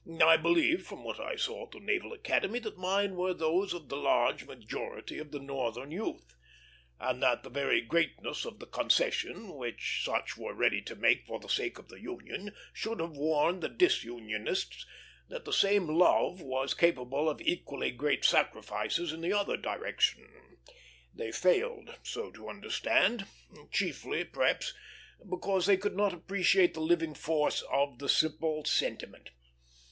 I believe, from what I saw at the Naval Academy, that mine were those of the large majority of the Northern youth, and that the very greatness of the concession which such were ready to make for the sake of the Union should have warned the disunionists that the same love was capable of equally great sacrifices in the other direction. They failed so to understand; chiefly, perhaps, because they could not appreciate the living force of the simple sentiment.